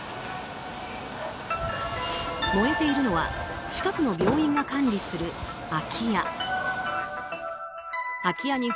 燃えているのは近くの病院が管理する空き家。